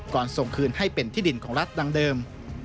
ส่งคืนให้เป็นที่ดินของรัฐดังเดิม